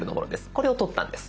これを撮ったんです。